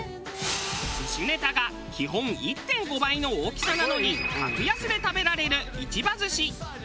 寿司ネタが基本１．５倍の大きさなのに格安で食べられる市場寿し。